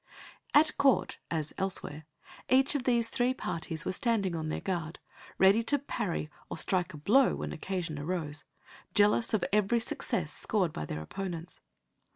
At Court, as elsewhere, each of these three parties were standing on their guard, ready to parry or to strike a blow when occasion arose, jealous of every success scored by their opponents.